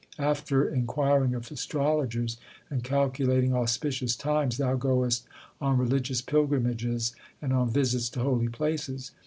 After inquiring of astrologers and calculating auspicious times, thou goest on religious pilgrimages and on visits to holy places.